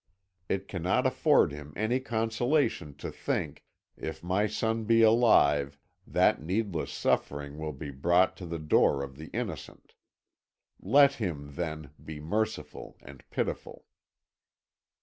It cannot afford him any consolation to think, if my son be alive, that needless suffering will be brought to the door of the innocent. Let him, then, be merciful and pitiful."